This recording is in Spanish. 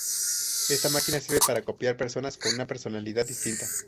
Esta máquina sirve para copiar personas con una personalidad distinta.